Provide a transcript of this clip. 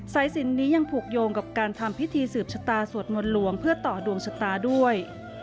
สายสินนี้ยังผูกโยงกับการทำพิธีสืบชะตาสวดมนต์หลวงเพื่อต่อดวงชะตาด้วย